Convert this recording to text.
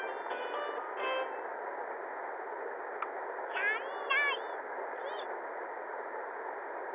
サンドイッチ。